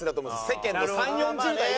世間の３０４０代が。